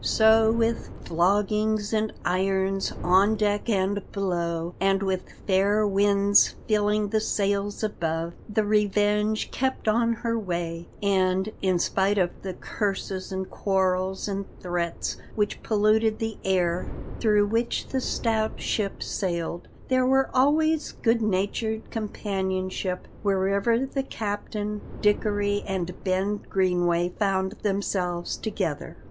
So with floggings and irons, on deck and below, and with fair winds filling the sails above, the Revenge kept on her way; and, in spite of the curses and quarrels and threats which polluted the air through which the stout ship sailed, there was always good natured companionship wherever the captain, Dickory, and Ben Greenway found themselves together.